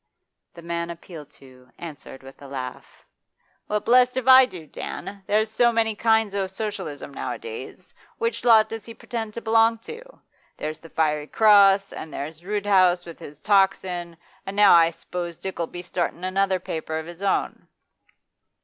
The man appealed to answered with a laugh. 'Well, blest if I do, Dan! There's so many kinds o' Socialism nowadays. Which lot does he pretend to belong to? There's the "Fiery Cross," and there's Roodhouse with his "Tocsin," and now I s'pose Dick'll be startin' another paper of his own.